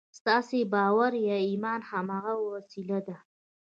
ستاسې باور یا ایمان هماغه وسیله ده